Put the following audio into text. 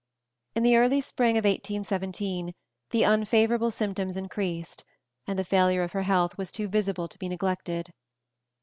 In the early spring of 1817 the unfavorable symptoms increased, and the failure of her health was too visible to be neglected.